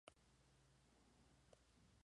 La zona del pecho es de color marrón oliváceo.